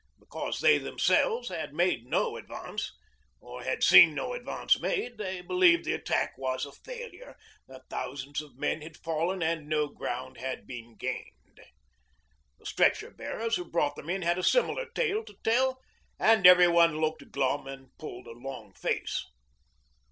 Because they themselves had made no advance, or had seen no advance made, they believed the attack was a failure, that thousands of men had fallen and no ground had been gained. The stretcher bearers who brought them in had a similar tale to tell, and everyone looked glum and pulled a long face.